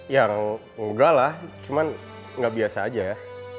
ya enggak lah cuman gak biasa aja ya